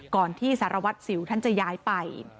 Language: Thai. ก่อนที่สารวัตรสิวท่านจะย้ายไป